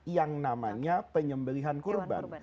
yang namanya penyembelian kurban